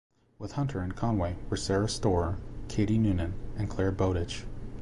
With Hunter and Conway were Sara Storer, Katie Noonan and Clare Bowditch.